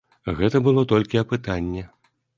Гэта было толькі апытанне.